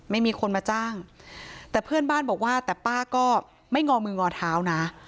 ไม่มีคนมาจ้างแต่เพื่อนบ้านบอกว่าแต่ป้าก็ไม่งอมืองอเท้านะ